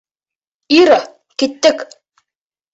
Ира, киттек!